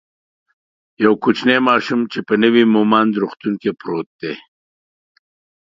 یو کوچنی ماشوم چی په نوی مهمند روغتون کی پروت دی